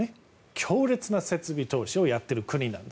強烈な設備投資をやっている国なんです。